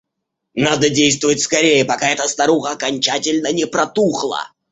Надо действовать скорее, пока эта старуха окончательно не протухла.